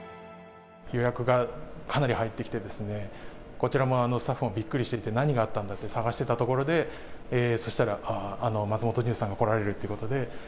予約がかなり入ってきて、こちらのスタッフもびっくりしていて、何があったんだと探してたところで、そうしたら、松本潤さんが来られるということで。